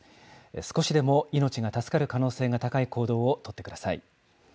少しでも命が助かる可能性が高い行動を取ってください。